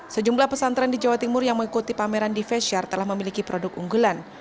sejumlah pesantren di jawa timur yang mengikuti pameran di feshare telah memiliki produk unggulan